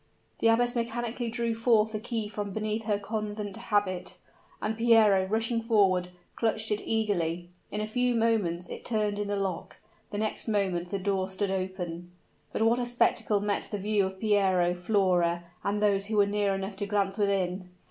The abbess mechanically drew forth the key from beneath her convent habit, and Piero, rushing forward, clutched it eagerly. In a few moments it turned in the lock the next moment the door stood open. But what a spectacle met the view of Piero, Flora, and those who were near enough to glance within!